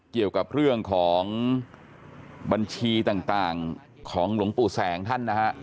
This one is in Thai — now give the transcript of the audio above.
เกี่ยวกับเรื่องของบัญชีต่างของหลวงปู่แสงท่านนะฮะ